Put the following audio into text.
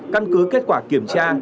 căn cứ kết quả kiểm tra